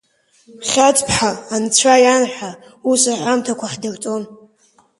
Хьацԥҳа Анцәа иан ҳәа, ус аҳәамҭақәа ҳдырҵон.